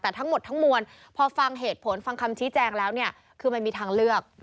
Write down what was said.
แต่ทั้งหมดทั้งมวลพอฟังเหตุผลฟังคำชี้แจงแล้วเนี่ยคือมันมีทางเลือก